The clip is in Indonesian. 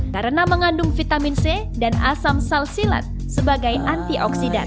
karena mengandung vitamin c dan asam salsilat sebagai antioksidan